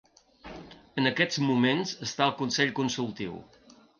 En aquests moments està al consell consultiu.